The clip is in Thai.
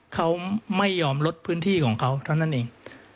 เขาไม่ยอมลดพื้นที่ของเขาเท่านั้นเอง